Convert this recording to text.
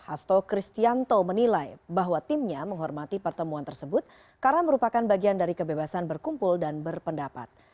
hasto kristianto menilai bahwa timnya menghormati pertemuan tersebut karena merupakan bagian dari kebebasan berkumpul dan berpendapat